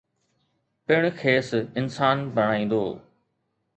، پڻ کيس انسان بڻائيندو.